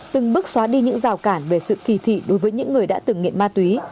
từng bước xóa đi những rào cản về sự kỳ thị đối với những người đã từng nghiện ma túy